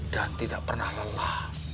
dan tidak pernah lelah